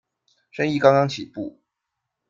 生意刚刚起步